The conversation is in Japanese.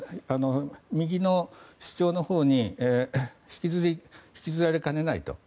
右の主張のほうに引きずられかねないと。